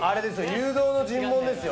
誘導の尋問ですよ。